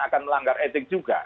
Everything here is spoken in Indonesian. akan melanggar etik juga